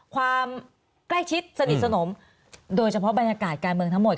ความใกล้ชิดสนิทสนมโดยเฉพาะบรรยากาศการเมืองทั้งหมด